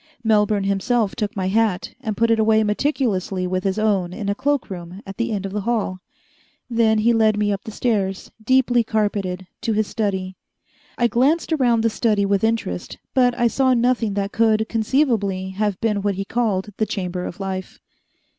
Melbourne himself took my hat, and put it away meticulously with his own in a cloak room at the end of the hall. Then he led me up the stairs, deeply carpeted, to his study. I glanced around the study with interest, but I saw nothing that could, conceivably, have been what he called the Chamber of Life.